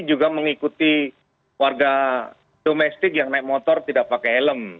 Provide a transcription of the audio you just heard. juga mengikuti warga domestik yang naik motor tidak pakai helm